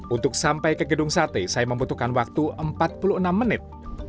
untuk sampai ke gedung sate saya membutuhkan waktu empat puluh enam menit